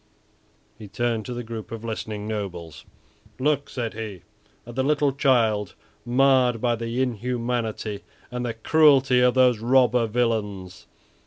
He turned to the group of listening nobles. "Look," said he, "at this little child marred by the inhumanity and the cruelty of those robber villains.